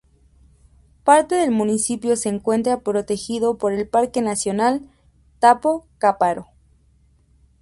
Parte del municipio se encuentra protegido por el Parque nacional Tapo-Caparo.